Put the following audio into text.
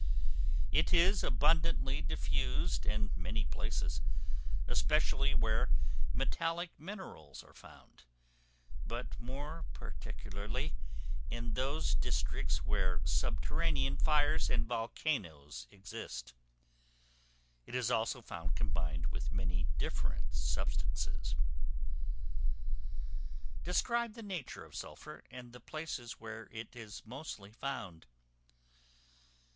It is abundantly diffused in many places, especially where metallic minerals are found; but more particularly in those districts where subterranean fires and volcanoes exist. It is also found combined with many different substances. Describe the nature of Sulphur, and the places where it is mostly found.